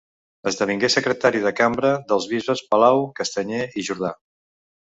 Esdevingué secretari de cambra dels bisbes Palau, Castanyer i Jordà.